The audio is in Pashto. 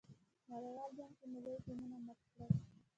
نړیوال جام کې مو لوی ټیمونه مات کړل.